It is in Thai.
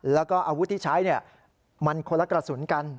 แล้วก็อาวุธที่ใช้มันคนละกระสุนกัน